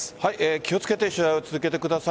気をつけて取材を続けてください。